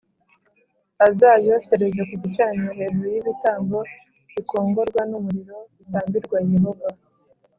Azayosereze ku gicaniro hejuru y’ibitambo bikongorwa n’umuriro bitambirwa Yehova